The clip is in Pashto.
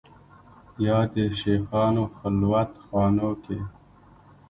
یا د شېخانو خلوت خانو کې